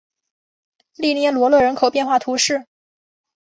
利涅罗勒人口变化图示